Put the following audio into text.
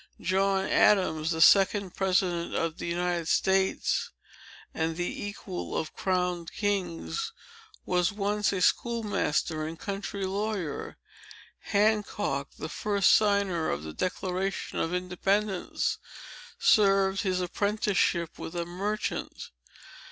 John Adams, the second president of the United States, and the equal of crowned kings, was once a schoolmaster and country lawyer. Hancock, the first signer of the Declaration of Independence, served his apprenticeship with a merchant.